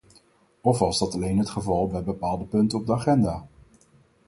Of was dat alleen het geval bij bepaalde punten op de agenda?